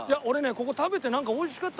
ここ食べてなんか美味しかった。